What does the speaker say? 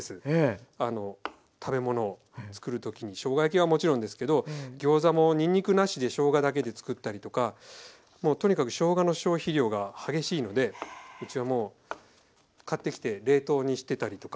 食べ物つくるときにしょうが焼きはもちろんですけどギョーザもにんにくなしでしょうがだけでつくったりとかもうとにかくしょうがの消費量が激しいのでうちはもう買ってきて冷凍にしてたりとか。